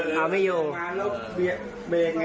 มาแล้วเบงไง